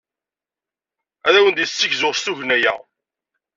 Ad awen-d-yessegzu s tugna-a.